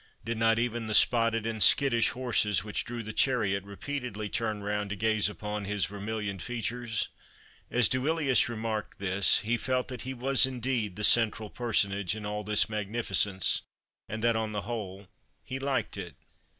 Did not even the spotted and skittish horses which drew the chariot repeatedly turn round to gaze upon his vermilioned features? As Duilius remarked this he felt that he was, indeed, the central personage in all this magnificence, and that, on the whole, he liked it.